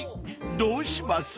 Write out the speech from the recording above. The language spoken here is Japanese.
どうします？］